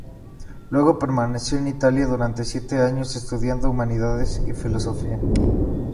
Luego permaneció en Italia durante siete años estudiando humanidades y filosofía.